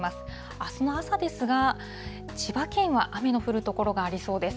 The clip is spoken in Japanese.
あすの朝ですが、千葉県は雨が降る所がありそうです。